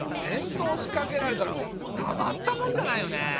戦争をしかけられたらもうたまったもんじゃないよね。